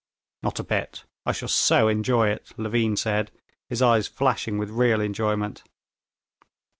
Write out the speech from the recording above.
"Not a bit. I shall so enjoy it," Levin said, his eyes flashing with real enjoyment.